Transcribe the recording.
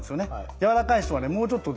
柔らかい人はもうちょっとね